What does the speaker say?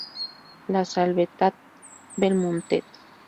La Salvetat-Belmontet